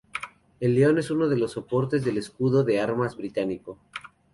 El león es uno de los soportes del escudo de armas británico.